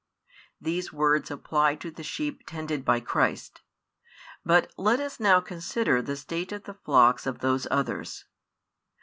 These words apply to the sheep tended by Christ: but let us now consider the state of the flocks of those others.